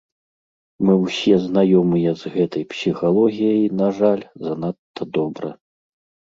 Мы ўсе знаёмыя з гэтай псіхалогіяй, на жаль, занадта добра.